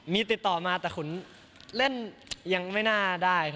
มีติดต่อมาแต่ขุนเล่นยังไม่น่าได้